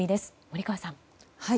森川さん。